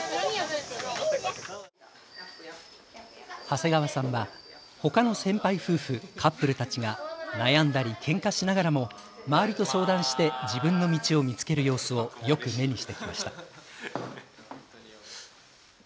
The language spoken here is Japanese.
長谷川さんはほかの先輩夫婦、カップルたちが悩んだり、けんかしながらも周りと相談して自分の道を見つける様子をよく目にしてきました。